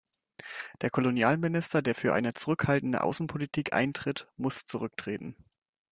Der Kolonialminister, der für eine zurückhaltende Außenpolitik eintritt, muss zurücktreten.